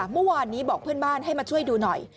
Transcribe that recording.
เมื่อวานนี้บอกเพื่อนบ้านให้มาช่วยดูหน่อย